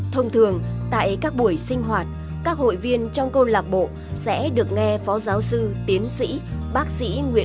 thông thường tại các buổi sinh hoạt các hội viên trong câu lạc bộ sẽ được nghe phó giáo sư tiến hành tìm kiếm thông tin tìm kiếm thông tin